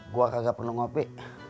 gue gak perlu ngopi